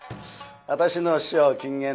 私の師匠金原亭